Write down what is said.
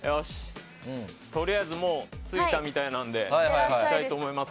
とりあえず着いたみたいなので行きたいと思います。